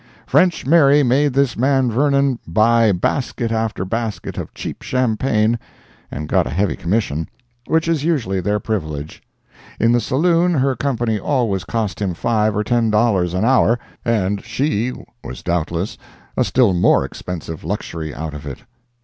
French Mary made this man Vernon buy basket after basket of cheap champagne and got a heavy commission, which is usually their privilege; in the saloon her company always cost him five or ten dollars an hour, and she was doubtless a still more expensive luxury out of it.